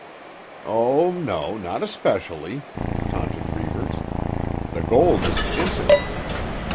"Oh, no; not especially," taunted Reivers. "The gold is an incident.